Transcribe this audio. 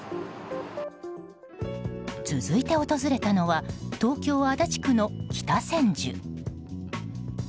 続いて、訪れたのは東京・足立区の北千住。